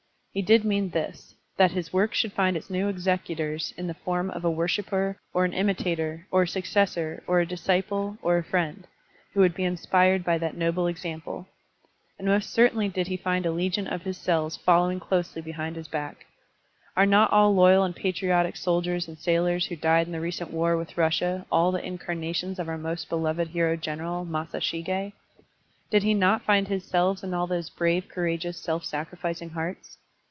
He did mean this, that his work should find its new executors in the form of a worshiper or an imitator or a successor or a dis ciple or a friend, who wotdd be inspired by that noble example. And most certainly did he find a legion of his selves following closely behind his back. Are not all loyal and patriotic soldiers and sailors who died in the recent war with Russia all the incarnations of our most beloved hero general, Masashig6? Did he not find his selves in all those brave, courageous, self sacri ficing hearts?